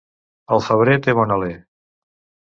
El febrer té bon alè.